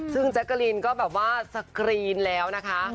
ซึ่งแจ๊กกะลีนก็แบบว่าสกรีนแล้วนะคะ